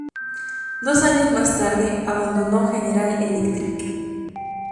Dos años más tarde, abandonó General Electric.